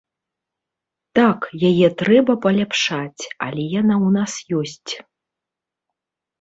Так, яе трэба паляпшаць, але яна ў нас ёсць.